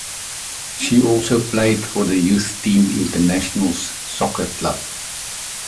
She also played for the youth team Internationals Soccer Club.